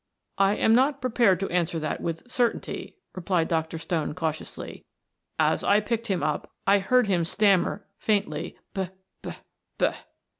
"I am not prepared to answer that with certainty," replied Dr. Stone cautiously. "As I picked him up I heard him stammer faintly: 'B b b.'"